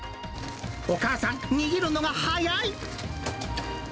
お母さん、握るのが早い。